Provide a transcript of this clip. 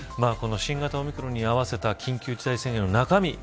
新型オミクロンに合わせた緊急事態宣言の中身